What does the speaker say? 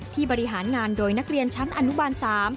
บริหารงานโดยนักเรียนชั้นอนุบาล๓